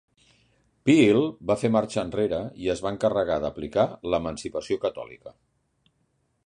Peel va fer marxa enrere i es va encarregar d'aplicar l'Emancipació Catòlica.